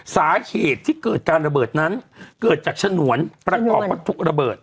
สาเหตุที่เกิดการระเบิดนั้นเกิดจากฉนวนประกอบวัตถุระเบิด